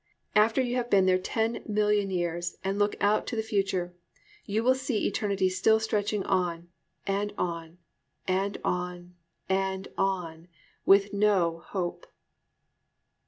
After you have been there ten million years and look out toward the future you will see eternity still stretching on and on and on and on, with no hope.